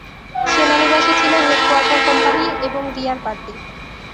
সেনানিবাসে ছিল headquarter company এবং রিয়ার পার্টি।